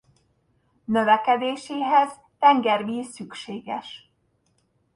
Növekedéséhez tengervíz szükséges.